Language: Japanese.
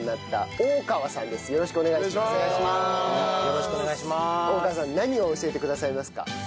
大川さん何を教えてくださいますか？